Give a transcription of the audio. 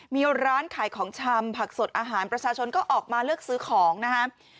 มีร้านขายของชำผักสดอาหารประชาชนก็ออกมาเลือกซื้อของนะครับ